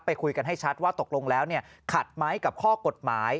คุยกันให้ชัดว่าตกลงแล้วขัดไหมกับข้อกฎหมาย